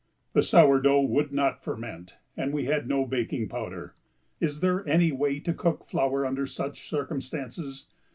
The sour dough would not ferment, and we had no baking powder. Is there any way to cook flour under such circumstances?